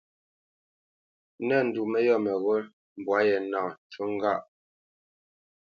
Nə̂t ndu mə́yɔ̂ mə́ghó mbwâ ye nâ, ncu ŋgâʼ.